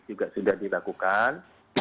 juga sudah dilakukan